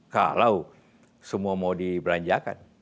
kalau semua mau dibelanjakan